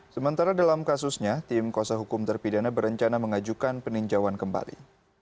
sementara dalam kasusnya tim kuasa hukum terpidana berencana mengajukan peninjauan kembali